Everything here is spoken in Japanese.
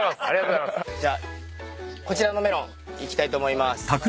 じゃあこちらのメロンいきたいと思います。